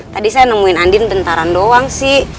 tadi saya nemuin andin bentaran doang sih